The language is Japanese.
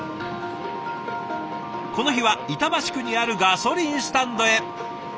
この日は板橋区にあるガソリンスタンドへ。